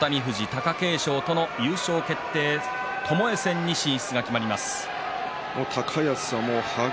高安勝てば熱海富士と貴景勝との優勝決定戦ともえ戦に進出が決まります。